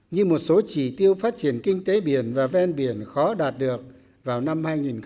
như một số chỉ tiêu phát triển kinh tế biển và ven biển khó đạt được vào năm hai nghìn hai mươi